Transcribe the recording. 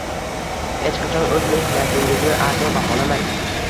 Hech qachon oʻz mehnatingizni arzon baholamang.